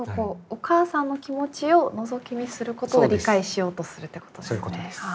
お母さんの気持ちをのぞき見することで理解しようとするってことですね。